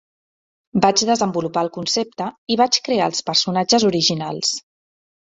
Vaig desenvolupar el concepte i vaig crear els personatges originals.